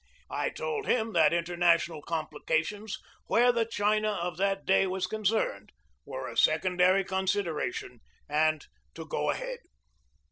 I told him that international complications, where the China of that day was concerned, were a secondary consideration and to go ahead.